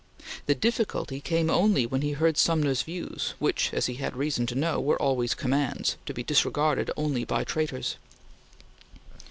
The difficulty came only when he heard Sumner's views, which, as he had reason to know, were always commands, to be disregarded only by traitors.